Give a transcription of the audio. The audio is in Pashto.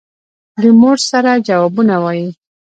د مور سره جوابونه وايي.